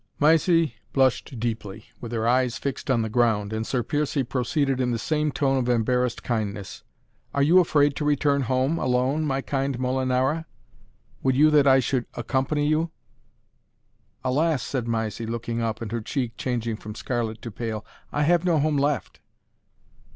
Mysie blushed deeply, with her eyes fixed on the ground, and Sir Piercie proceeded in the same tone of embarrassed kindness. "Are you afraid to return home alone, my kind Molinara? would you that I should accompany you?" "Alas!" said Mysie, looking up, and her cheek changing from scarlet to pale, "I have no home left."